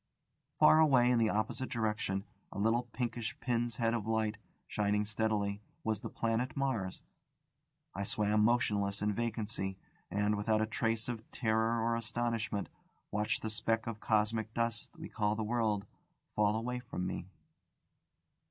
Far away in the opposite direction, a little pinkish pin's head of light, shining steadily, was the planet Mars. I swam motionless in vacancy, and, without a trace of terror or astonishment, watched the speck of cosmic dust we call the world fall away from me.